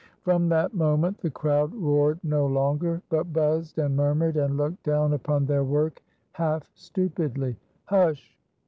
From that moment the crowd roared no longer, but buzzed and murmured, and looked down upon their work half stupidly. "Hush!"